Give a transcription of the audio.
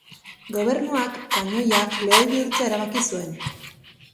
Gobernuak kanoiak lehoi bihurtzea erabaki zuen.